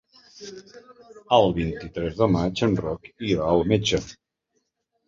El vint-i-tres de maig en Roc irà al metge.